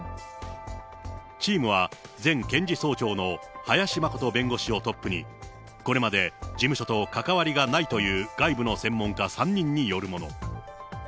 チームは、前検事総長の林眞琴弁護士をトップに、これまで事務所と関わりがないという外部の専門家３人によるもの。